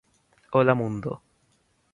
Hola mundo.